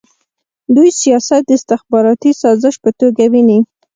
دوی سیاست د استخباراتي سازش په توګه ویني.